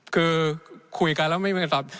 คือคุยกันแล้วไม่มีการตอบ